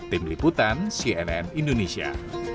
tim liputan cnn indonesia